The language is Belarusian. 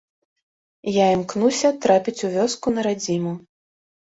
Я імкнуся трапіць у вёску на радзіму.